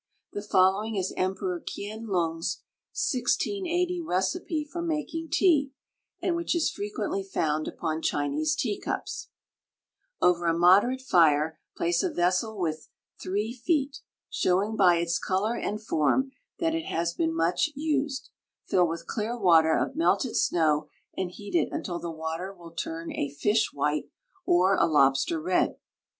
The following is Emperor Kien Lung's (1680) recipe for making tea, and which is frequently found upon Chinese tea cups: "Over a moderate fire place a vessel with three feet, showing by its color and form that it has been much used; fill with clear water of melted snow and heat it until the water will turn a fish white or a lobster red.